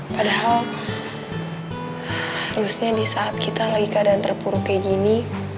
padahal harusnya di saat kita lagi keadaan terpuruk kayak gini